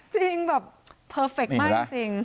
จริงแบบเพอร์เฟคมากจริง